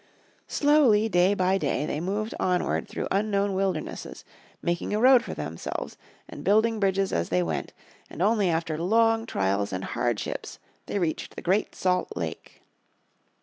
Slowly day by day they moved onward through unknown wildernesses, making a road for themselves, and building bridges as they went, and only after long trials and hardships they reached the Great Salt Lake.